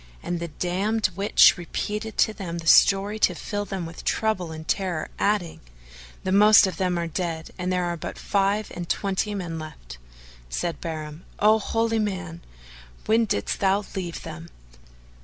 And the damned witch repeated to them the story to fill them with trouble and terror, adding, "The most of them are dead, and there are but five and twenty men left." Said Bahram, "O holy man! when didst thou leave them?"